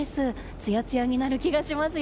つやつやになる気がしますよ。